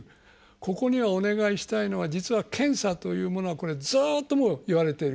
ここにはお願いしたいのは実は検査というものはずっと言われてる。